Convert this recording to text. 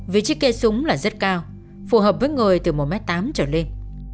vị trí kê súng là rất cao phù hợp với người từ một m tám trở lên